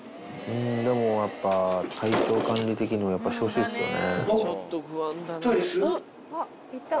でもやっぱ、体調管理的にもやっぱりしてほしいっすよね。